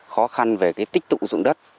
khó khăn về cái tích tụ ruộng đất